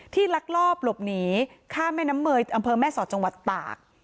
ลักลอบหลบหนีข้ามแม่น้ำเมย์อำเภอแม่สอดจังหวัดตาก